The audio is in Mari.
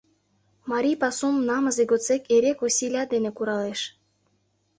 Марий пасум намызе годсек эре косиля дене куралеш.